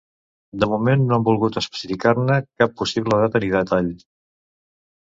De moment no han volgut especificar-ne cap possible data ni detall.